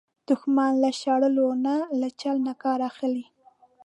دښمن له شړلو نه، له چل نه کار اخلي